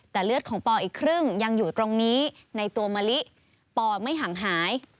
แต่เลือดของปออีกครึ่งยังอยู่ตรงนี้ในตัวมะลิปอไม่ห่างหาย